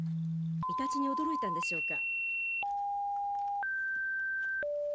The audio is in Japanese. イタチに驚いたんでしょうか？